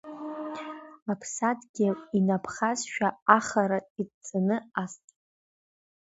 Аԥсад-гьыл инаԥхазшәа ахара идҵаны аст.